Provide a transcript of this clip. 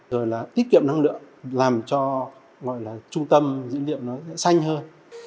rồi là tiết kiệm năng lượng làm cho trung tâm dữ liệu nó sẽ xanh hơn